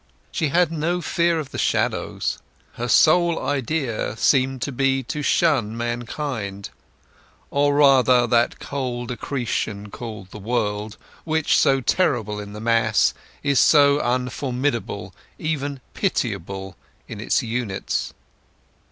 She had no fear of the shadows; her sole idea seemed to be to shun mankind—or rather that cold accretion called the world, which, so terrible in the mass, is so unformidable, even pitiable, in its units.